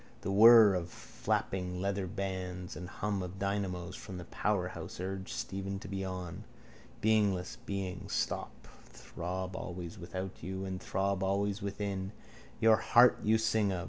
The whirr of flapping leathern bands and hum of dynamos from the powerhouse urged Stephen to be on. Beingless beings. Stop! Throb always without you and the throb always within. Your heart you sing of.